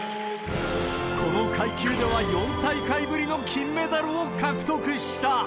この階級では４大会ぶりの金メダルを獲得した。